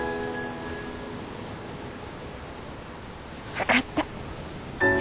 分かった。